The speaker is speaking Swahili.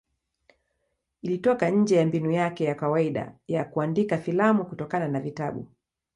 Ilitoka nje ya mbinu yake ya kawaida ya kuandika filamu kutokana na vitabu.